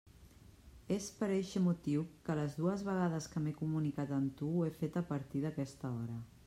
És per eixe motiu que les dues vegades que m'he comunicat amb tu ho he fet a partir d'aquesta hora.